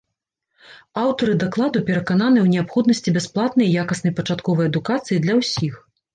Аўтары дакладу перакананыя ў неабходнасці бясплатнай і якаснай пачатковай адукацыі для ўсіх.